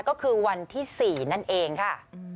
ก็คือวันที่๔นั่นเองค่ะ